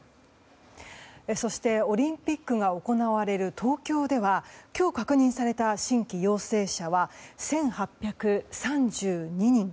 そしてオリンピックが行われる東京では今日確認された新規陽性者は１８３２人。